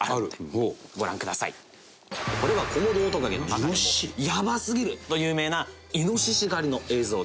「これはコモドオオトカゲの中でもヤバすぎると有名なイノシシ狩りの映像です」